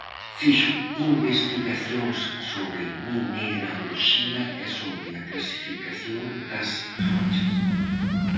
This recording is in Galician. Fixo investigacións sobre mineraloxía e sobre a clasificación das rochas.